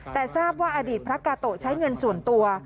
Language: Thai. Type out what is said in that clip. แต่ทราบว่าอดีตพระกาโตะใช้เงินส่วนตัว